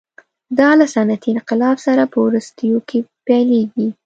دا له صنعتي انقلاب سره په وروستیو کې پیلېږي.